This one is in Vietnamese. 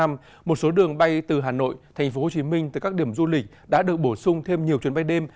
một số đường bay từ hà nội tp hcm từ các điểm du lịch đã được bổ sung thêm nhiều chuyến bay đêm